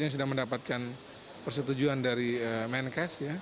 yang sudah mendapatkan persetujuan yang sudah mendapatkan persetujuan